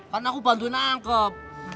kan aku bantuin angkep